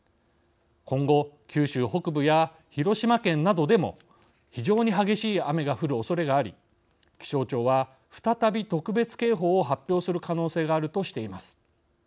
今後九州北部や広島県などでも非常に激しい雨が降るおそれがあり気象庁は再び特別警報を発表する可能性があるとしています。